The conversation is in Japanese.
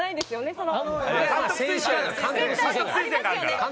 その。